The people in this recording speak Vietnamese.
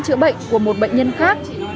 chữa bệnh của một bệnh nhân khác